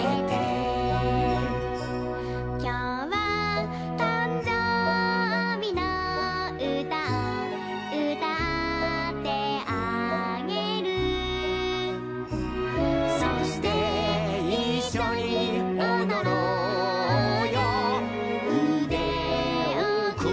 「きょうはたんじょうびのうたをうたってあげる」「そしていっしょにおどろうようでをくんで、、、」